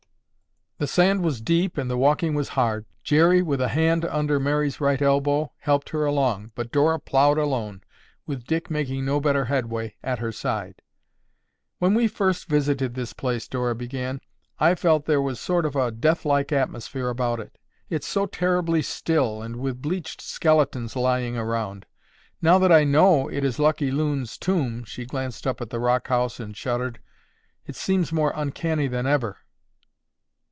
The sand was deep and the walking was hard. Jerry, with a hand under Mary's right elbow, helped her along, but Dora ploughed alone, with Dick, making no better headway, at her side. "When we first visited this place," Dora began, "I felt that there was sort of a deathlike atmosphere about it. It's so terribly still and with bleached skeletons lying around. Now that I know it is Lucky Loon's tomb," she glanced up at the rock house and shuddered, "it seems more uncanny than ever."